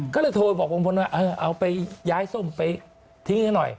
ก็เลยโทรไปบอกลุงพลว่าเอาไปย้ายส้มไปทิ้งให้หน่อย